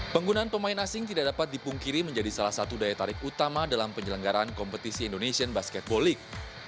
penggunaan pemain asing tidak dapat dipungkiri menjadi salah satu daya tarik utama dalam penyelenggaraan kompetisi indonesian basketball league